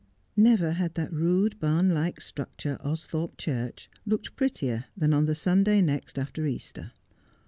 Never had that rude, barn like structure, Austhorpe Church, looked prettier than on the Sunday next after Easter.